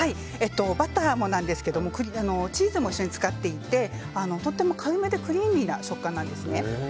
バターもなんですがチーズも一緒に使っていてとっても軽めでクリーミーな食感なんですね。